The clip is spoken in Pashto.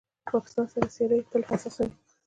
پاکستان سره سیالي تل حساسه وي.